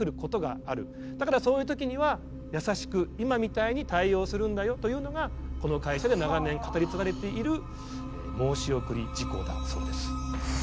だからそういう時には優しく今みたいに対応するんだよというのがこの会社で長年語り継がれている申し送り事項だそうです。